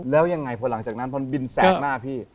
แล้วยังไงพอหลังจากนั้นพอบินแสบหน้าพี่